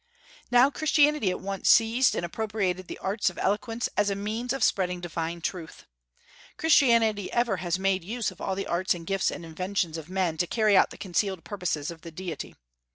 Now Christianity at once seized and appropriated the arts of eloquence as a means of spreading divine truth. Christianity ever has made use of all the arts and gifts and inventions of men to carry out the concealed purposes of the Deity.